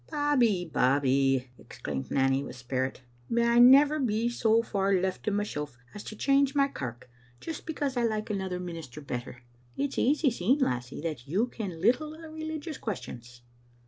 "Babbie, Babbie," exclaimed Nanny, with spirit, "may I never be so far left to mysel' as to change my kirk just because I like another minister better! It's easy seen, lassie, that you ken little o' religious ques tions."